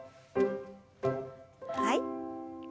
はい。